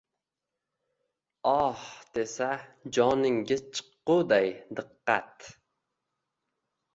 “Oh” desa, joningiz chiqquday diqqat